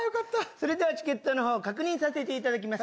それでは、チケットのほう確認させていただきます。